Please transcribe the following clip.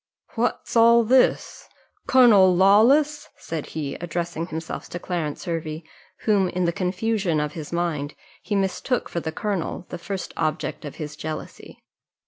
"What's all this? Colonel Lawless!" said he, addressing himself to Clarence Hervey, whom, in the confusion of his mind, he mistook for the colonel, the first object of his jealousy.